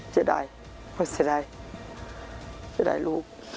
เสียดายเสียดายลูก